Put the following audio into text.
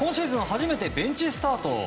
初めてベンチスタート。